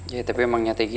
ya tapi itu memang nyata